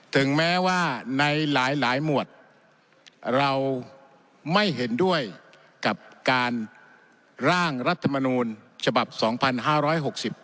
ถึงแม้ว่าในหลายหลายหมวดเราไม่เห็นด้วยกับการร่างรัฐมนูลฉบับสองพันห้าร้อยหกสิบ